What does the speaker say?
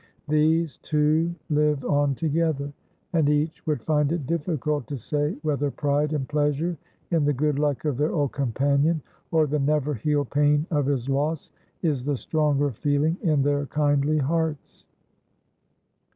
These two live on together, and each would find it difficult to say whether pride and pleasure in the good luck of their old companion, or the never healed pain of his loss, is the stronger feeling in their kindly hearts.